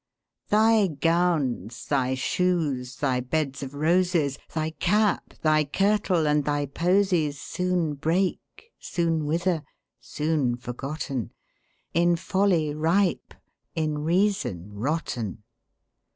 Thy gowns, thy shoes, thy beds of roses, Thy cap, thy kirtle, and thy posies, Soon break, soon wither—soon forgotten, In folly ripe, in reason rotten.